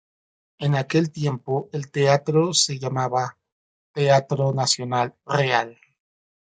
En aquel tiempo el teatro se llamaba "Teatro Nacional Real".